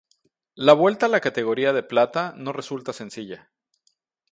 La vuelta a la categoría de plata no resulta sencilla.